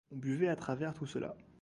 On buvait à travers tout cela.